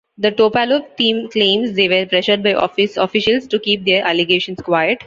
The Topalov team claims they were pressured by officials to keep their allegations quiet.